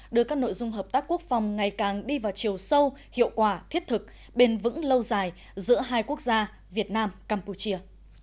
đưa các nội dung hợp tác quốc phòng ngày càng đi vào chiều sâu hiệu quả thiết thực bền vững lâu dài giữa hai quốc gia việt nam campuchia